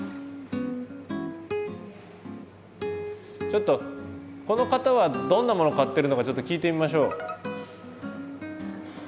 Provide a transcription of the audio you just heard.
ちょっとこの方はどんなものを買ってるのかちょっと聞いてみましょう。